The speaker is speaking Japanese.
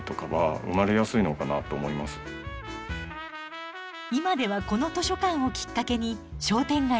今ではこの図書館をきっかけに商店街が活気づいています。